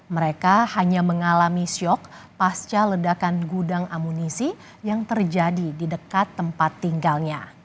mereka hanya mengalami syok pasca ledakan gudang amunisi yang terjadi di dekat tempat tinggalnya